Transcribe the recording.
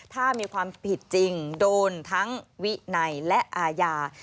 ถ้ามีความผิดจริงโดนทั้งวินัยและอาญา